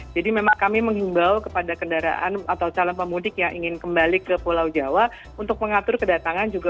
jadi memang kami mengimbau kepada kendaraan atau calon pemudik yang ingin kembali ke pulau jawa untuk mengatur kedatangan juga